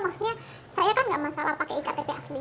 maksudnya saya kan nggak masalah pakai iktp asli